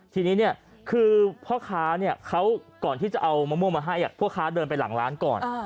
ทีนี้เนี่ยคือพ่อค้าเนี่ยเขาก่อนที่จะเอามะม่วงมาให้พ่อค้าเดินไปหลังร้านก่อน